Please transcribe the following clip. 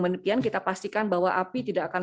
demikian kita pastikan bahwa api tidak akan